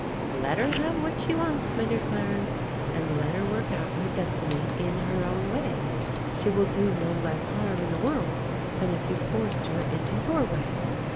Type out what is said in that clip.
Let her have what she wants, my dear Clarence, and let her work out her destiny in her own way. She will do less harm in the world than if you forced her into your way.